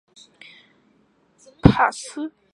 兰吉巴曾效力于德黑兰塔吉于德黑兰帕斯。